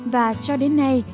và cho đến nay